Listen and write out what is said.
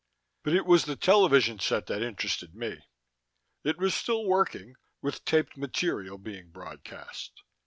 But it was the television set that interested me. It was still working, with taped material being broadcast.